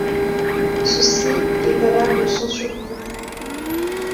Ceci est valable sans surcoût.